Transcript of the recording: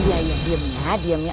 iya iya diem ya diem ya